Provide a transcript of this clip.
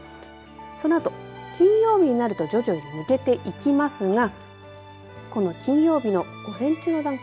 そのあと、金曜日になると徐々に抜けていきますがこの金曜日の午前中の段階